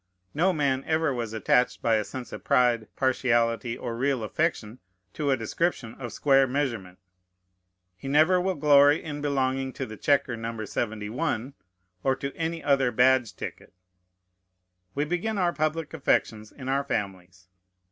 No man ever was attached by a sense of pride, partiality, or real affection, to a description of square measurement. He never will glory in belonging to the chequer No. 71, or to any other badge ticket. We begin our public affections in our families.